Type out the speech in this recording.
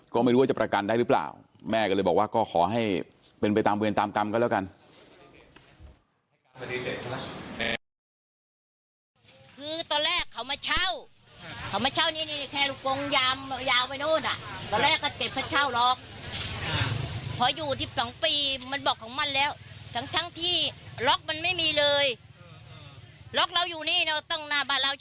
ก็ไม่รู้ว่าจะประกันได้หรือเปล่าแม่ก็เลยบอกว่าก็ขอให้เป็นไปตามเวรตามกรรมก็แล้วกัน